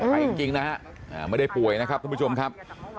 ไปจริงนะฮะไม่ได้ป่วยนะครับทุกผู้ชมครับ